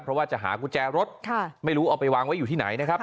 เพราะว่าจะหากุญแจรถไม่รู้เอาไปวางไว้อยู่ที่ไหนนะครับ